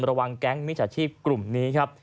ระวังแก๊งมิจชาธิกลุ่มนี้ครับ